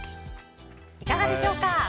いかがでしょうか？